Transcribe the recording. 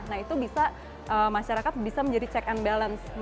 nah itu bisa masyarakat bisa menjadi check and balance